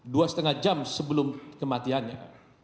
dua lima jam sebelum kematiannya